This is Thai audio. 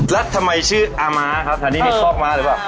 แล้วทำไมชื่ออาม้าครับอันนี้มีคอกม้าหรือเปล่า